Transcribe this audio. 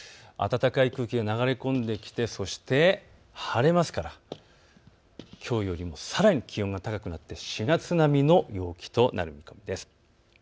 暖かい空気が流れ込んできてそして晴れますからきょうよりもさらに気温が高くなって４月並みの陽気となる見込みです。